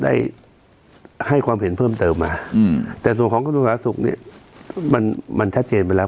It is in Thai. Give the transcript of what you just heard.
ได้ให้ความเห็นเพิ่มเติมมาแต่ส่วนของการลงสาศุกร์นี้มันชัดเจนไปแล้ว